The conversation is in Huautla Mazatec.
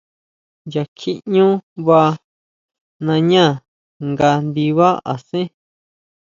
Nya kjiʼñú vaa nañá nga ndibá asén.